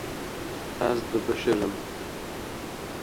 Ez dibişirim.